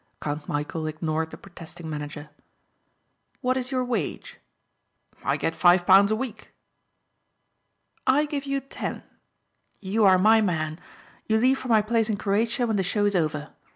Count Michæl ignored the protesting manager. "What is your wage?" "I get five pound a week." "I give you ten. You are my man. You leave for my place in Croatia when the show is over.